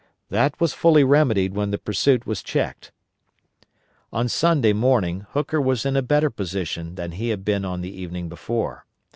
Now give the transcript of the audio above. That was fully remedied when the pursuit was checked. On Sunday morning Hooker was in a better position than he had been on the evening before.